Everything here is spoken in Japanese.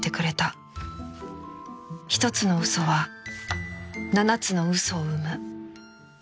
１つの嘘は７つの嘘を生む